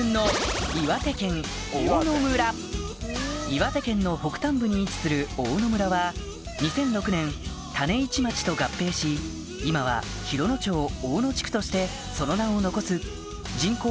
岩手県の北端部に位置する大野村は２００６年種市町と合併し今は洋野町大野地区としてその名を残す人口